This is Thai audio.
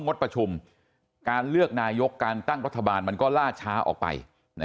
งดประชุมการเลือกนายกการตั้งรัฐบาลมันก็ล่าช้าออกไป